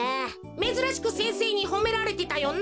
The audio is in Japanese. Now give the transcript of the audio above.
めずらしく先生にほめられてたよな。